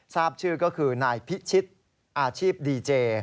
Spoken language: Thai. ทราบชื่อก็คือนายพิชิตอาชีพดีเจ